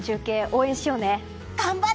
応援しようね！